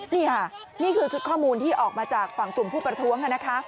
นี่ค่ะนี่คือชุดข้อมูลที่ออกมาจากฝั่งกลุ่มผู้ประท้วงนะคะ